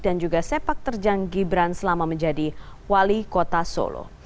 dan juga sepak terjang gibran selama menjadi wali kota solo